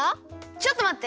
ちょっとまって！